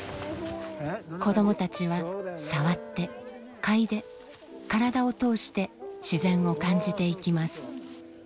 子どもたちは触って嗅いで身体を通して自然を感じていきます。